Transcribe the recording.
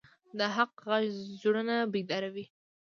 د حق غږ زړونه بیداروي